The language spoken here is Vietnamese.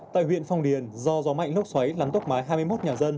tại huyện phong điền do gió mạnh lốc xoáy lắn tốc máy hai mươi một nhà dân